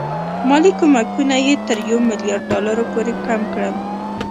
مالي کومکونه یې تر یو میلیارډ ډالرو پورې کم کړل.